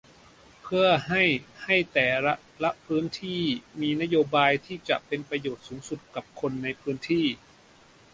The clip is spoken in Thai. เพื่อให้ให้แต่ละพื้นที่มีนโยบายที่จะเป็นประโยชน์สูงสุดกับคนในพื้นที่